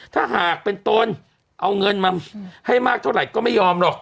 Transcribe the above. ถ้าหากเป็นตนเอาเงินมาให้มากเท่าไหร่ก็ไม่ยอมหรอก